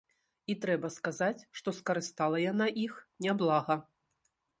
І трэба сказаць, што скарыстала яна іх няблага.